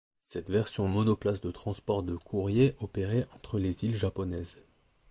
Cette version monoplace de transport de courrier opérait entre les îles japonaises.